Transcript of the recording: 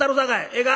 ええか。